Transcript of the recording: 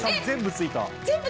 全部ついた！